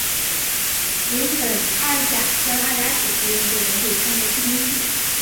邻苯二甲酸二甲酯可用作蚊子和苍蝇的驱虫剂。